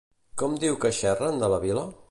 Com diu que xerren de la vila?